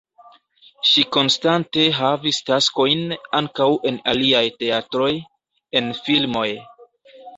Ŝi konstante havis taskojn ankaŭ en aliaj teatroj, en filmoj.